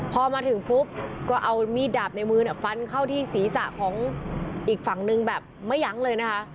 พอมาถึงปุ๊บก็เอามีดดาบในมือฟันเข้าที่ศีรษะของอีกฝั่งนึงแบบไม่ยั้งเลยนะคะ